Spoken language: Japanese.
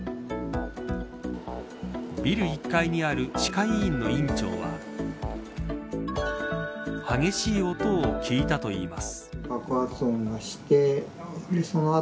ビル１階にある歯科医院の院長は激しい音を聞いたといいます。